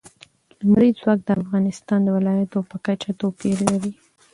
لمریز ځواک د افغانستان د ولایاتو په کچه توپیر لري.